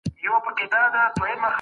دا هغه ډول څېړنه ده چي ټولنه یې غواړي.